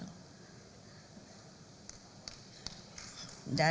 tidak ada ya